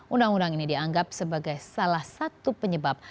undang undang ini dianggap sebagai salah satu penyebab